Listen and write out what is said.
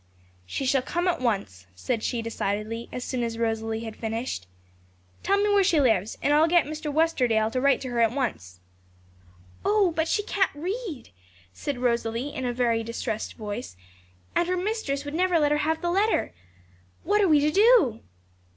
'She shall come at once,' said she decidedly, as soon as Rosalie had finished. 'Tell me where she lives, and I'll get Mr. Westerdale to write to her at once.' 'Oh, but she can't read,' said Rosalie, in a very distressed voice; 'and her mistress would never let her have the letter. What are we to do?'